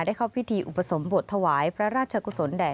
เข้าพิธีอุปสมบทถวายพระราชกุศลแด่